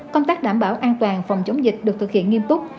công tác đảm bảo an toàn phòng chống dịch được thực hiện nghiêm túc